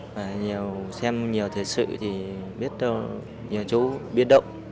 và xem nhiều thật sự thì biết nhiều chỗ biến động